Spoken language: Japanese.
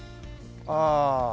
ああ。